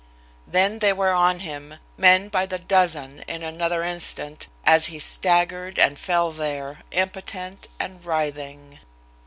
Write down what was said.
Then they were on him, men by the dozen, in another instant, as he staggered and fell there, impotent and writhing.